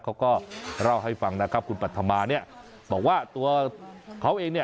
เขาก็เล่าให้ฟังนะครับคุณปัธมาเนี่ยบอกว่าตัวเขาเองเนี่ย